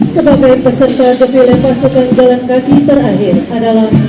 pembelian dan pembelaan pasukan jalan kaki terakhir adalah